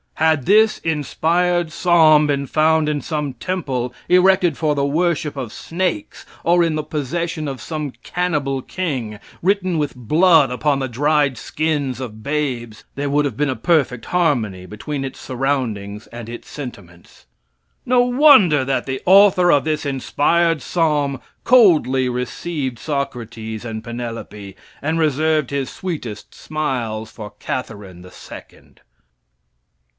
Had this inspired Psalm been found in some temple erected for the worship of snakes, or in the possession of some cannibal king, written with blood upon the dried skins of babes, there would have been a perfect harmony between its surroundings and its sentiments. No wonder that the author of this inspired Psalm coldly received Socrates and Penelope, and reserved his sweetest smiles for Catharine the Second!